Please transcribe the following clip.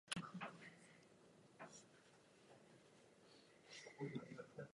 それを一概に「飜訳者は裏切り者」と心得て畏れ謹しんだのでは、